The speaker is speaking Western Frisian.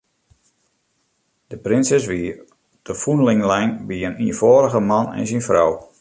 De prinses wie te fûnling lein by in ienfâldige man en syn frou.